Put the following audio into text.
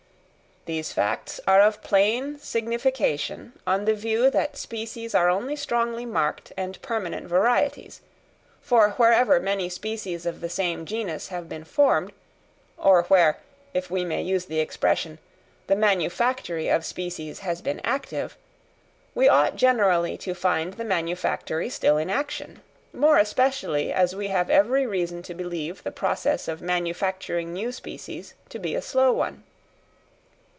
These facts are of plain signification on the view that species are only strongly marked and permanent varieties; for wherever many species of the same genus have been formed, or where, if we may use the expression, the manufactory of species has been active, we ought generally to find the manufactory still in action, more especially as we have every reason to believe the process of manufacturing new species to be a slow one.